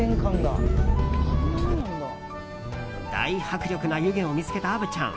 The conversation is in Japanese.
大迫力な湯気を見つけた虻ちゃん。